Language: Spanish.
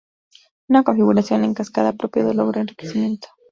Una configuración "en cascada" apropiado logra enriquecimiento.